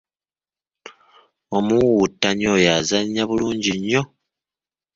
Omuwuwuttanyi oyo azannnya bulungi nnyo.